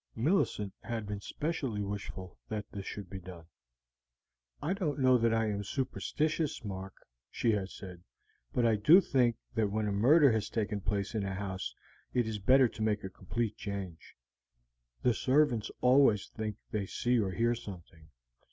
Millicent had been specially wishful that this should be done. "I don't know that I am superstitious, Mark," she had said, "but I do think that when a murder has taken place in a house it is better to make a complete change. The servants always think they see or hear something.